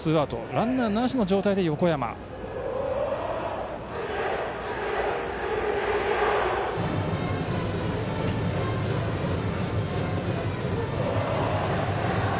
ランナーなしの状態で横山です。